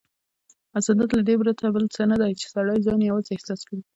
حسادت له دې پرته بل څه نه دی، چې سړی ځان یوازې احساس کړي.